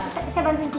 saya bantuin kiki